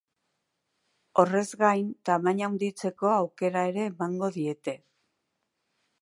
Horrez gain, tamaina handitzeko aukera ere emango diete.